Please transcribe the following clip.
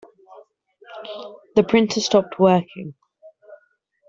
The printer stopped working.